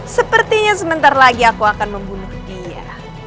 sepertinya sebentar lagi aku akan membunuh dia